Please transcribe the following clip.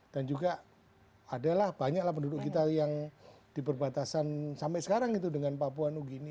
dan juga adalah banyaklah penduduk kita yang diperbatasan sampai sekarang itu dengan papua nugini